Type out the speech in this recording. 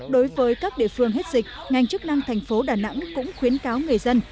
đối với các địa phương hết dịch ngành chức năng thành phố đà nẵng cũng khuyến cáo người dân